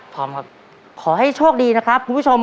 พร้อมครับขอให้โชคดีนะครับคุณผู้ชม